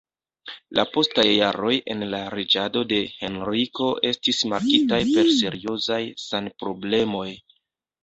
La postaj jaroj en la reĝado de Henriko estis markitaj per seriozaj sanproblemoj.